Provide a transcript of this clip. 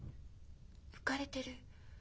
浮かれてる？